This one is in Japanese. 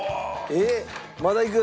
えっまだいく？